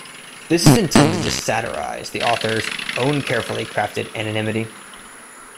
This is intended to satirise the author's "own carefully crafted anonymity".